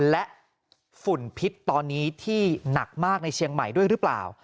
และฝุ่นพิษตอนนี้ที่หนักมากในเชียงใหม่ด้วยหรือเปล่า